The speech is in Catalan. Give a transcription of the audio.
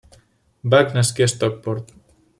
Back nasqué a Stockport.